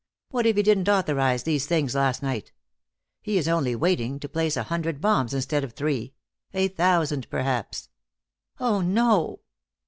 What if he didn't authorize these things last night? He is only waiting, to place a hundred bombs instead of three. A thousand, perhaps." "Oh, no!"